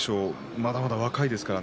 まだまだ若いですから